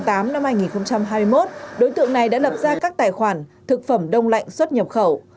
năm hai nghìn hai mươi một đối tượng này đã lập ra các tài khoản thực phẩm đông lạnh xuất nhập khẩu